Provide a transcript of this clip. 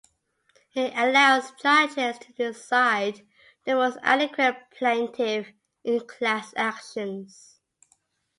It allows judges to decide the most adequate plaintiff in class actions.